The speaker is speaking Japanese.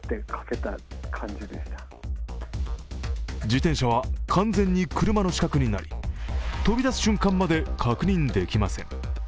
自転車は完全に車の死角になり飛び出す瞬間まで確認できません。